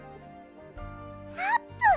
あーぷん！